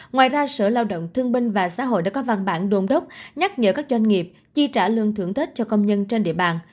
ngoài ra sở lao động thương binh và xã hội đã có văn bản đôn đốc nhắc nhở các doanh nghiệp chi trả lương thưởng tết cho công nhân trên địa bàn